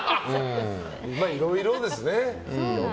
いろいろですね。